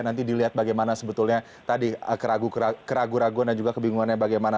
nanti dilihat bagaimana sebetulnya tadi keraguan keraguan dan juga kebingungannya bagaimana